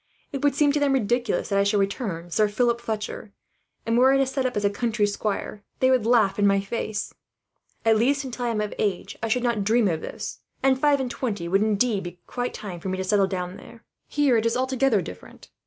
It will seem to them ridiculous that I should return Sir Philip Fletcher; and were I to set up as a country squire, they would laugh in my face. Until I am at least of age, I should not dream of this; and five and twenty would indeed be quite time for me to settle down there. "Here it is altogether different.